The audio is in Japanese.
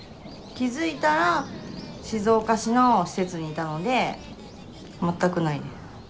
気付いたら静岡市の施設にいたので全くないです。